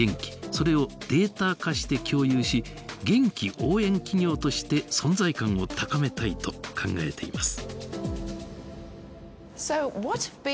それをデータ化して共有し元気応援企業として存在感を高めたいと考えています。